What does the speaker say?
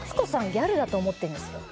ギャルだと思ってるんですよ